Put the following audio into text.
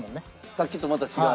さっきとまた違う？